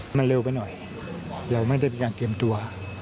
มันเร็วไปหน่อยเราไม่ได้เป็นการเตรียมตัว